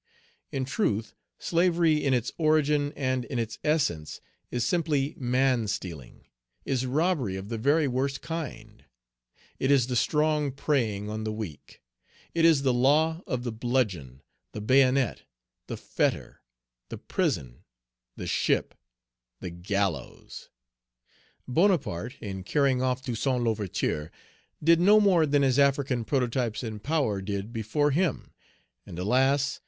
In truth, slavery in its origin and in its essence is simply man stealing, is robbery of the very worst kind; it is the strong preying on the weak; it is the law of the bludgeon, the bayonet, the fetter, the prison, the ship, the gallows. Bonaparte, in carrying off Toussaint L'Ouverture, did no more than his African prototypes in power did before him, and, alas!